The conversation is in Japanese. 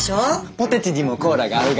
ポテチにもコーラが合うが。